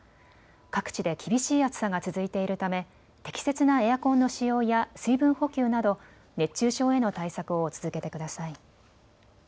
各地で厳しい暑さが続いているため適切なエアコンの使用や水分補給など熱中症への対策を続けてください。